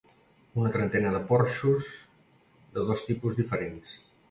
Una trentena de porxos de dos tipus diferents.